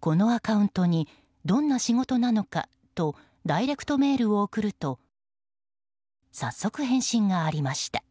このアカウントにどんな仕事なのかとダイレクトメールを送ると早速、返信がありました。